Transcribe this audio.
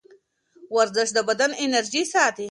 ورزش د بدن انرژي ساتي.